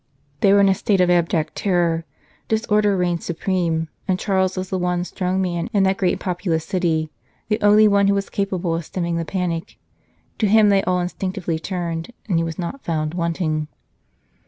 They were in a state of abject terror ; disorder reigned supreme, and Charles was the one strong man in that great and populous city, the only one who was capable of stemming the panic ; to him they all instinctively turned, and he was not found wanting.